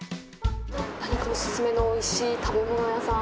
何かオススメのおいしい食べ物屋さん